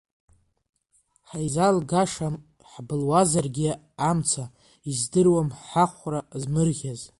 Ҳаизалгашам ҳбылуазаргьы амца, издыруам ҳахәра змырӷьаз.